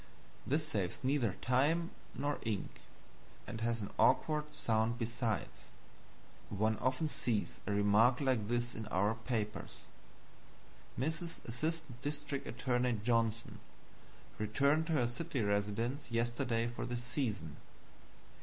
This saves neither time nor ink, and has an awkward sound besides. One often sees a remark like this in our papers: "MRS. Assistant District Attorney Johnson returned to her city residence yesterday for the season."